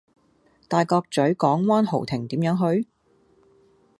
大角嘴港灣豪庭點樣去?